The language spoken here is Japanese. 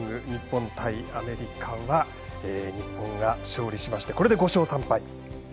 日本対アメリカは日本が勝利しましてこれで５勝３敗。